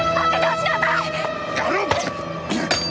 やめろ！